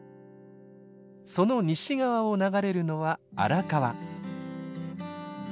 その西側を流れるのは荒川。